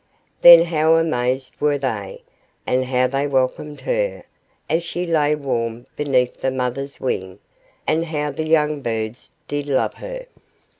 Then how amazed were they, and how they welcomed her, as she lay warm beneath the mother's wing, and how the young birds did love her.